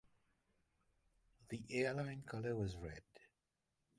The airline colour was red.